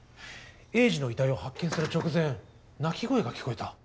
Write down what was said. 栄治の遺体を発見する直前鳴き声が聞こえた。